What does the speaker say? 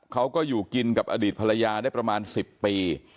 เขาก็อยู่กินกับอดีตภรรยาได้ประมาณ๑๐ปี